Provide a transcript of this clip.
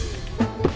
biasa aja meren